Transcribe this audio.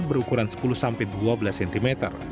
berukuran sepuluh sampai dua belas cm